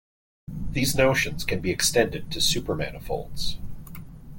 These notions can be extended to supermanifolds.